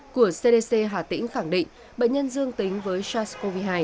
của cdc hà tĩnh khẳng định bệnh nhân dương tính với sars cov hai